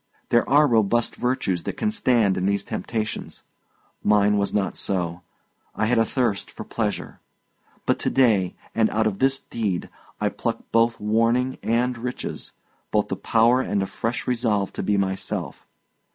There are robust virtues that can stand in these temptations; mine was not so; I had a thirst of pleasure. But to day, and out of this deed, I pluck both warning and riches both the power and a fresh resolve to be myself.